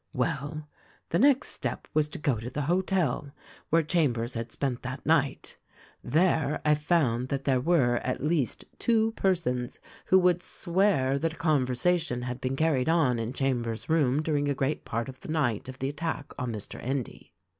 "Well, the next step was to go to the hotel where Cham bers had spent that night. There I found that there were at least two persons who would swear that a conversation had been carried on in Chambers' room during a great part of the night of the attack on Mr. Endy.